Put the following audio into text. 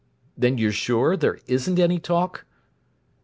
"Then you're sure there isn't any talk?"